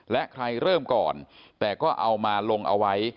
และใครเริ่มก่อนแต่ก็เอามาลงเอาไว้